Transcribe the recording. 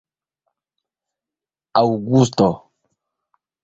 aŭgusto